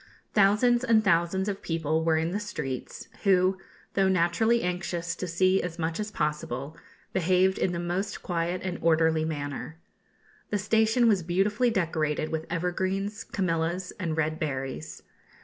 Thousands and thousands of people were in the streets, who, though naturally anxious to see as much as possible, behaved in the most quiet and orderly manner. The station was beautifully decorated with evergreens, camellias, and red berries.